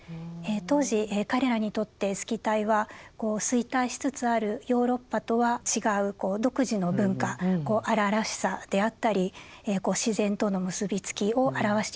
当時彼らにとってスキタイは衰退しつつあるヨーロッパとは違う独自の文化こう荒々しさであったり自然との結び付きを表していたのだと思います。